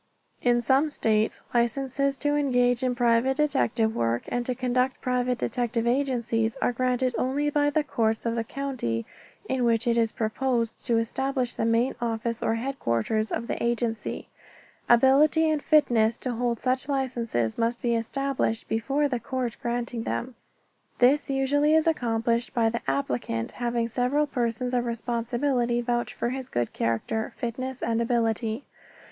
In some states licenses to engage in private detective work and to conduct private detective agencies are granted only by the courts of the county in which it is proposed to establish the main office or headquarters of the agency. Ability and fitness to hold such licenses must be established before the court granting them. This usually is accomplished by the applicant having several persons of responsibility vouch for his good character, fitness and ability.